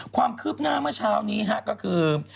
ความคืบหน้าเมื่อเช้านี้ก็คือ